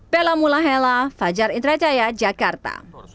bella mulahela fajar indrajaya jakarta